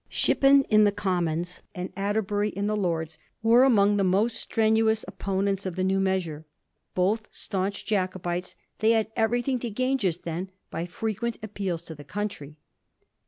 Shippen in the Commons and Atterbury in the Lords were among the most strenuous opponents of the new measure. Both staunch Jacobites, they had everything to gain just then by frequent appeals to the country.